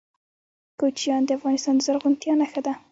کوچیان د افغانستان د زرغونتیا نښه ده.